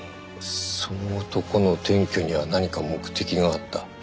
その男の転居には何か目的があった。